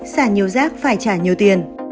xả nhiều rác phải trả nhiều tiền